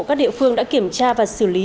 các địa phương đã kiểm tra và xử lý